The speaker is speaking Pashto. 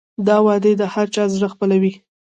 دا وعدې د هر چا زړه خپلوي.